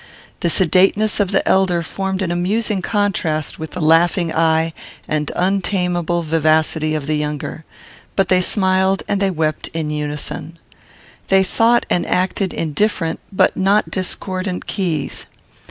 The sedateness of the elder formed an amusing contrast with the laughing eye and untamable vivacity of the younger; but they smiled and they wept in unison. They thought and acted in different but not discordant keys.